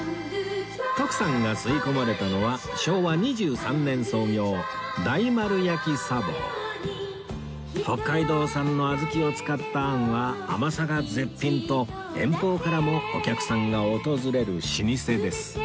徳さんが吸い込まれたのは北海道産の小豆を使ったあんは甘さが絶品と遠方からもお客さんが訪れる老舗です